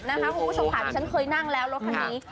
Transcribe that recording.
โอ้โหหันชอบค่ะที่ฉันเคยนั่งแล้วละคันนี้